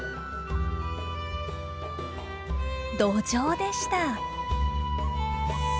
ドジョウでした。